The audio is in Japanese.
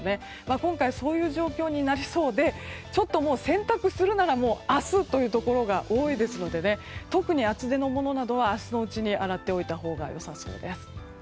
今回、そういう状況になりそうでちょっと洗濯するなら明日というところが多いですので特に厚手のものなどは明日のうちに洗っておいたほうが良さそうです。